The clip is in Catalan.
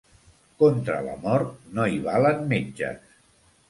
Contra la mort no hi valen metges.